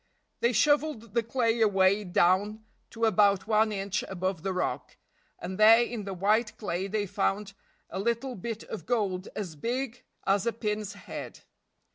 They shoveled the clay away down to about one inch above the rock, and there in the white clay they found a little bit of gold as big as a pin's head.